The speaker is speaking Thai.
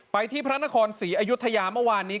ที่พระนครศรีอยุธยาเมื่อวานนี้